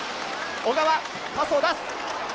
小川、パスを出す。